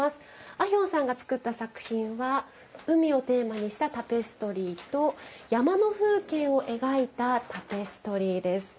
アヒョンさんが作った作品は海をテーマにしたタペストリーと山の風景を描いたタペストリーです。